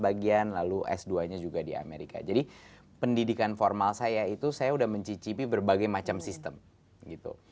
bagian lalu s dua nya juga di amerika jadi pendidikan formal saya itu saya udah mencicipi berbagai macam sistem gitu